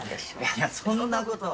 いやそんなことは。